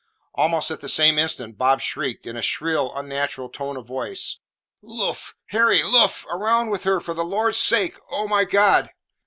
Almost at the same instant Bob shrieked, in a shrill unnatural tone of voice: "Luff! Harry luff! round with her for the Lord's sake! Oh, my God!"